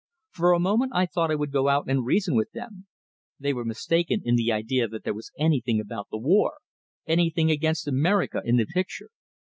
For a moment I thought I would go out and reason with them; they were mistaken in the idea that there was anything about the war, anything against America in the picture.